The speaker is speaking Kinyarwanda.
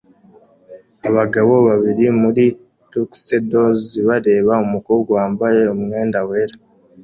Abagabo babiri muri tuxedos bareba umukobwa wambaye umwenda wera